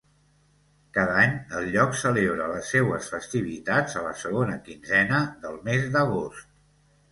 Cada any, el lloc celebra les seues festivitats a la segona quinzena del mes d'agost.